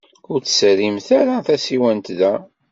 Ur tserrimt ara tasiwant da.